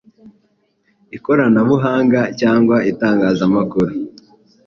Ikoranabuhanga cyangwa itangazamakuru.